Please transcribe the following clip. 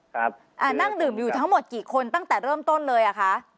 อ่านั่งดื่มอยู่ทั้งหมดกี่คนตั้งแต่เริ่มต้นเลยอ่ะคะ